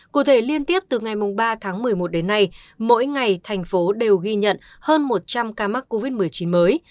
cụ thể liên tiếp từ ngày ba tháng một mươi một đến nay mỗi ngày thành phố đều ghi nhận hơn một trăm linh ca mắc covid một mươi chín mới